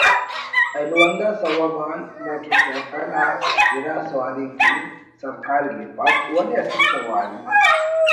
ایلو ہندا سوب آن motor cycle آ اِرا سواری کن سرکار اِلیپک ولے اسہ سواری